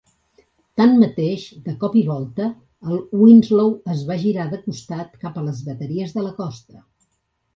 Tanmateix, de cop i volta, el Winslow es va girar de costat cap a les bateries de la costa.